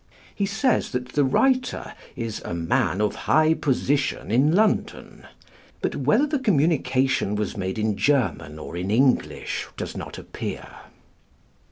He says that the writer is "a man of high position in London"; but whether the communication was made in German or in English, does not appear.